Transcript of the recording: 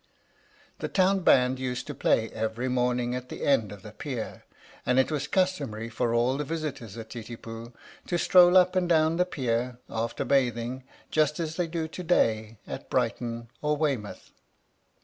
The Town Band used to play every morning at the end of the pier, and it was customary for all the visitors at Titipu to stroll up and down the pier, after bathing, just as they do to day at Brighton or Weymouth.